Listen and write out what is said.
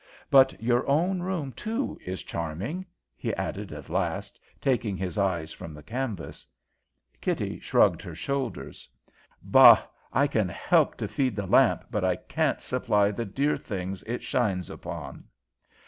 But your own room, too, is charming," he added at last, taking his eyes from the canvas. Kitty shrugged her shoulders. "Bah! I can help to feed the lamp, but I can't supply the dear things it shines upon."